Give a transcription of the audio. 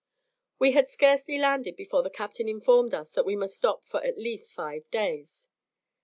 We had scarcely landed before the captain informed us that we must stop for at least five days.